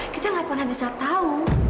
kita gak pernah bisa tahu